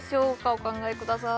お考えください